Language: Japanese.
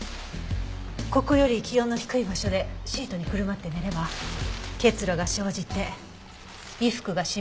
ここより気温の低い場所でシートにくるまって寝れば結露が生じて衣服が湿る可能性がある。